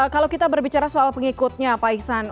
kalau kita berbicara soal pengikutnya pak iksan